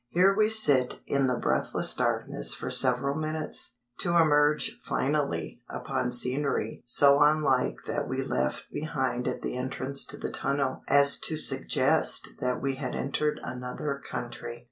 Here we sit in the breathless darkness for several minutes, to emerge finally upon scenery so unlike that we left behind at the entrance to the tunnel as to suggest that we had entered another country.